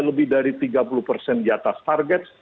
lebih dari tiga puluh persen di atas target